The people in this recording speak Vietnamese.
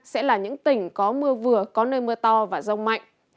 sẽ là những tỉnh có mưa vừa có nơi mưa to và rông mạnh